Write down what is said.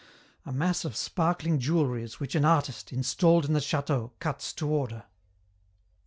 A mass of sparkling jewelleries which an artist, installed in the château, cuts to order.